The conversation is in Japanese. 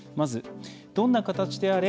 「どんな形であれ